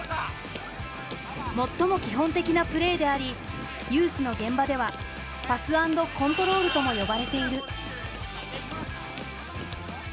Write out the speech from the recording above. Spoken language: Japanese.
最も基本的なプレーでありユースの現場では「パス＆コントロール」とも呼ばれている。